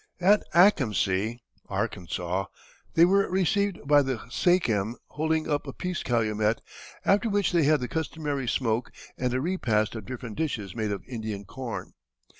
At Akamsea (Arkansas) they were received by the sachem holding up a peace calumet, after which they had the customary smoke and a repast of different dishes made of Indian corn.